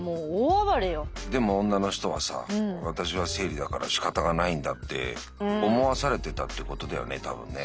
でも女の人はさ「私は生理だからしかたがないんだ」って思わされてたってことだよね多分ね。